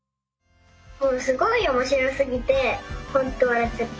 すごいおもしすぎてほんとわらっちゃった。